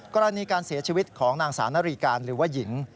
กรณีการเสียชีวิตของนางสาวนรีการหรือว่าหญิง